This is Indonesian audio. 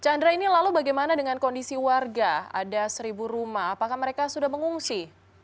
chandra ini lalu bagaimana dengan kondisi warga ada seribu rumah apakah mereka sudah mengungsi